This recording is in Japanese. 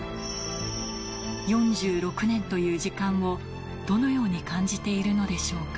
４６年という時間を、どのように感じているのでしょうか。